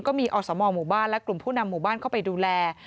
ก็มีอสมหมู่บ้านและกลุ่มผู้นำหมู่บ้านเข้าไปดูแล